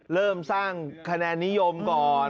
เริ่มสร้างคะแนนนิยมก่อน